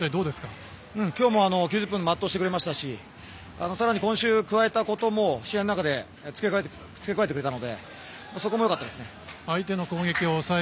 今日も９０分全うしてくれましたし、今週加えたことも試合の中で付け加えてくれたのでそこもよかったです。